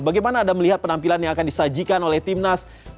bagaimana anda melihat penampilan yang akan disajikan oleh timnas